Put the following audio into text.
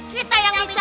apa adanya satu kerja